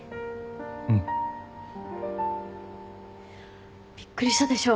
うん。びっくりしたでしょ？